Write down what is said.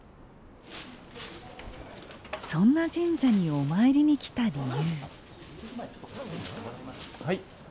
そんな神社にお参りに来た理由。